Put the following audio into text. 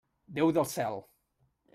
Déu del cel!